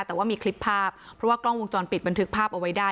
แต่ว่ามีคลิปภาพเพราะว่ากล้องวงจรปิดบันทึกภาพเอาไว้ได้